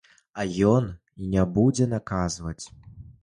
А ён і не будзе наказваць.